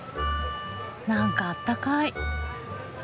何かあったかい。